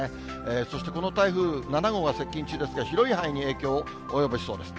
そしてこの台風、７号が接近中ですが、広い範囲に影響を及ぼしそうです。